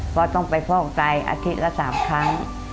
ก็ต้องไปฟอกไตอาทิตย์ละ๓ครั้ง